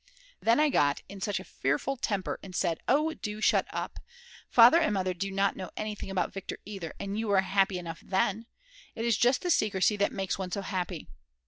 Then I got in such a fearful temper and said: "Oh do shut up. Father and Mother did not know anything about Viktor either, and you were happy enough then. It is just the secrecy that makes one so happy."